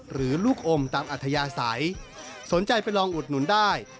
หรือลูกอมตามอัธยาศัยสนใจไปลองอุดหนุนได้